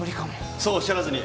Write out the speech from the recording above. そうおっしゃらずに。